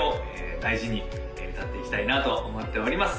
大事に歌っていきたいなと思っております